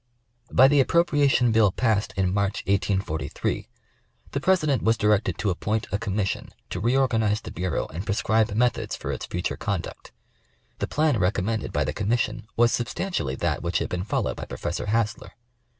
By the appropriation bill passed in March, 184 3, the President was directed to appoint a Commission to reorganize the Bureau and prescribe methods for its future conduct. The plan recom mended by the Commission was substantially that which had been followed by Professor Hassler.